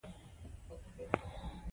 رسوب د افغانانو د تفریح یوه وسیله ده.